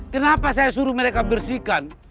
kenapa saya suruh mereka bersihkan